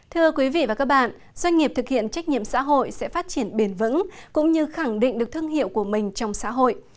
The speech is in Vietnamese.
doanh nghiệp thực hiện trách nhiệm xã hội sẽ phát triển bền vững cũng như khẳng định được thương hiệu của mình trong xã hội